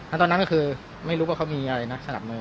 ตอนนั้นก็คือไม่รู้ว่าเขามีอะไรนะสนับมือ